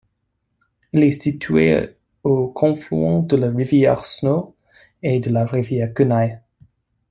Elle est située au confluent de la rivière Snow et de la rivière Kenai.